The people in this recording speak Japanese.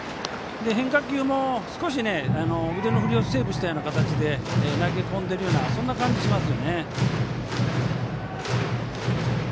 変化球も少し腕の振りをセーブした感じで投げ込んでいるような感じします。